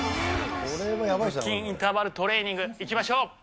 腹筋インターバルトレーニング、いきましょう。